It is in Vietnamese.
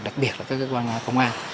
đặc biệt là các cơ quan công an